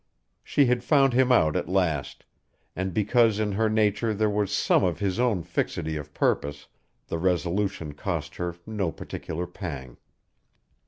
She had found him out at last, and because in her nature there was some of his own fixity of purpose, the resolution cost her no particular pang.